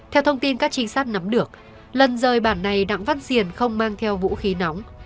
theo thông tin các trinh sát nắm được lần rời bản này đặng văn xiền không mang theo vũ khí nóng